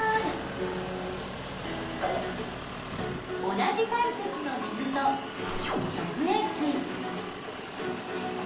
同じ体積の水と食塩水。